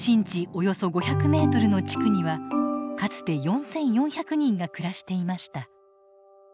およそ５００メートルの地区にはかつて４，４００人が暮らしていました。